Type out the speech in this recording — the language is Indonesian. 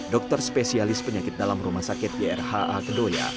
dokter spesialis penyakit dalam rumah sakit di rha kedoya